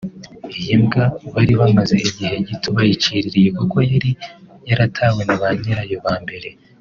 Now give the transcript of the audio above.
Iyi mbwa bari bamaze igihe gito baciririye kuko yari yaratawe na ba nyirayo ba mbere